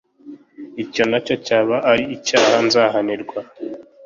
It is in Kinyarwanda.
icyo na cyo cyaba ari icyaha nzahanirwa